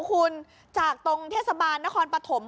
คุณจากตรงเทศบาลนครปฐม